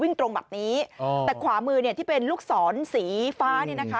ตรงแบบนี้แต่ขวามือเนี่ยที่เป็นลูกศรสีฟ้าเนี่ยนะคะ